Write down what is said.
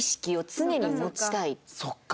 そっか。